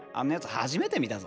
初めて見たぞ。